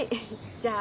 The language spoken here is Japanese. じゃあ。